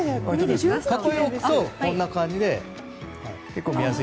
囲いを置くとこんな感じで結構見やすい。